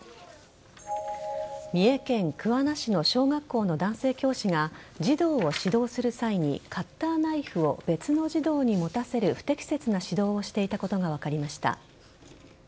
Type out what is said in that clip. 三重県桑名市の小学校の男性教師が児童を指導する際にカッターナイフを別の児童に持たせる不適切な指導をしていたことが分かりました。